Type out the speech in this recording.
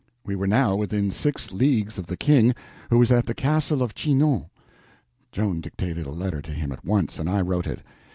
We were now within six leagues of the King, who was at the Castle of Chinon. Joan dictated a letter to him at once, and I wrote it.